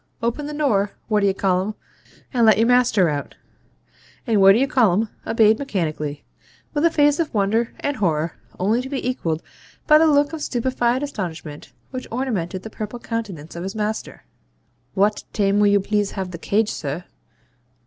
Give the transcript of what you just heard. Open the door, What d'ye call'um, and let your master out,' and What d'ye call'um obeyed mechanically, with a face of wonder and horror, only to be equalled by the look of stupefied astonishment which ornamented the purple countenance of his master. 'Wawt taim will you please have the CAGE, sir?'